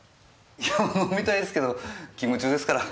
いやぁ飲みたいですけど勤務中ですから。